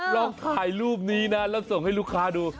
ลองถ่ายรูปนี้นะแล้วส่งให้ลูกค้าดู